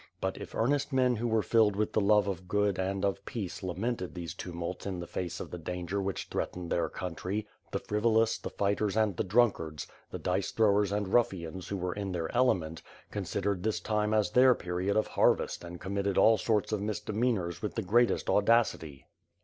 But if earnest men who were filled with love of good and of peace lamented these tumults in the face of the danger which threatened their country, the frivolous, the fighters and the drunkards, the dice throwers and ruffians who were in their element, considered this time as their period of harvest and committed all sorts of misdemeanors with the greatest au dacity.